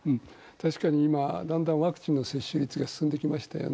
確かに今、だんだんワクチンの接種率が進んできましたよね。